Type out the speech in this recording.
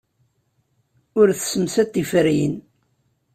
Ur tessemsad tiferyin.